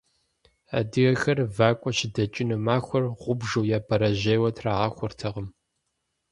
Адыгэхэр вакӀуэ щыдэкӀыну махуэр гъубжу е бэрэжьейуэ трагъахуэртэкъым.